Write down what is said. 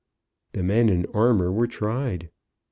The men in armour were tried.